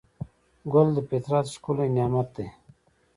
ګل د فطرت ښکلی نعمت دی.